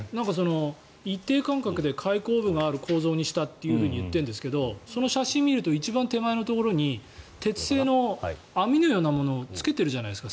一定間隔で開口部がある構造にしたといっているんですがその写真を見ると一番手前のところに鉄製の網のようなものをつけてるじゃないですか。